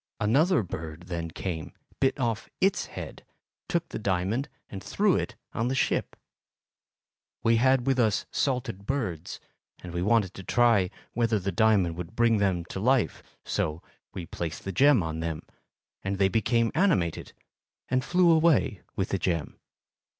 Another bird then came, bit off its head, took the diamond and threw it on the ship. We had with us salted birds, and we wanted to try whether the diamond would bring them to life, so we placed the gem on them, and they became animated and flew away with the gem.